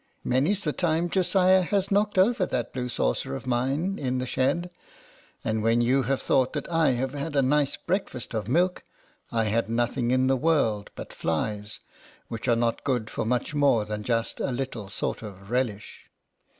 Many's the time Josiah has knocked over that blue saucer of mine, in the shed, and when you have thought that I had had a nice breakfast of milk, I had nothing in the world but flies, which are not good for much more than just a little sort of relish.